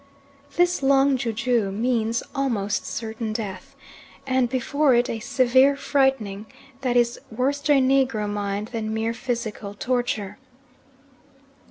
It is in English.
This Long ju ju means almost certain death, and before it a severe frightening that is worse to a negro mind than mere physical torture.